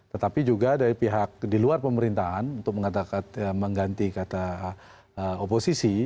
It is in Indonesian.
tetapi juga dari pihak di luar pemerintahan untuk mengganti kata oposisi